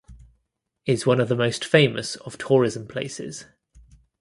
Is one of the most famous of tourism places.